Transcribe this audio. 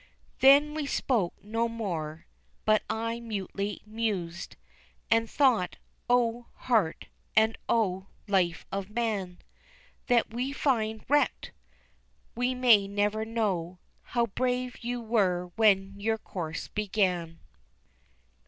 Then we spoke no more, but I mutely mused And thought, oh, heart and oh, life of man That we find wrecked! we may never know How brave you were when your course began.